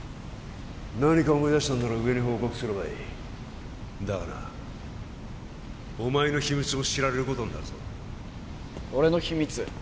何か思い出したんなら上に報告すればいいだがなお前の秘密も知られることになるぞ俺の秘密？